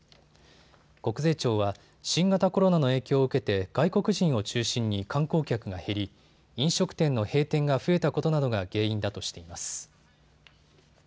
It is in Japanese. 国税庁は新型コロナの影響を受けて外国人を中心に観光客が減り、飲食店の閉店が増えたことなどが原因だとしています。